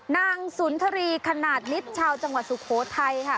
นางสุนทรีขนาดนิดชาวจังหวัดสุโขทัยค่ะ